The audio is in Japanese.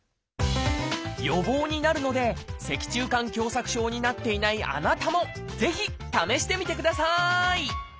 予防になるので脊柱管狭窄症になっていないあなたもぜひ試してみてください！